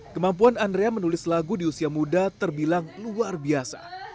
kemampuan andrea menulis lagu di usia muda terbilang luar biasa